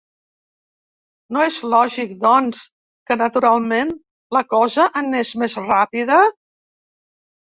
No és lògic, doncs, que naturalment la cosa anés més ràpida?